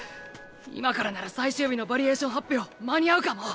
今からなら最終日のヴァリエーション発表間に合うかも。